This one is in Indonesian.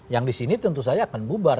yang di sini tentu saja akan bubar